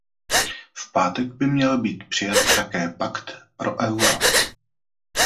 V pátek by měl být přijat také Pakt pro euro.